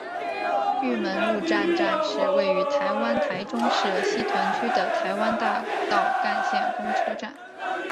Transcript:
玉门路站站是位于台湾台中市西屯区的台湾大道干线公车站。